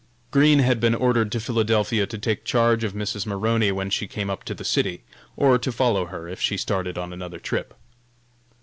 Green had been ordered to Philadelphia to take charge of Mrs. Maroney when she came up to the city, or to follow her if she started on another trip.